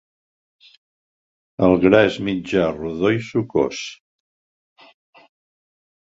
El gra és mitjà, rodó i sucós.